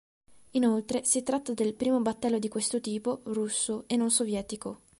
Inoltre, si tratta del primo battello di questo tipo russo e non sovietico.